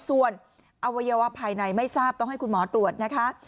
ส่วนอวัยวะภายในไม่ทราบต้องให้คุณหมอตรวจนะคะ